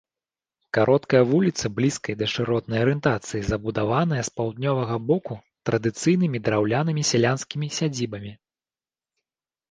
Кароткая вуліца блізкай да шыротнай арыентацыі забудаваная з паўднёвага боку традыцыйнымі драўлянымі сялянскімі сядзібамі.